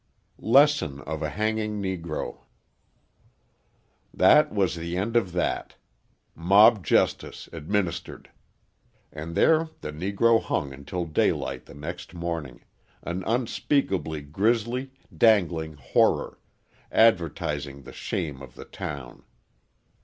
Lesson of a Hanging Negro That was the end of that! Mob justice administered! And there the Negro hung until daylight the next morning an unspeakably grizzly, dangling horror, advertising the shame of the town.